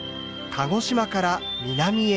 鹿児島から南へ